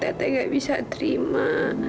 maya takut tete gak bisa terima